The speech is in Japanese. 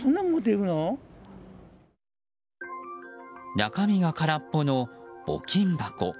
中身が空っぽの募金箱。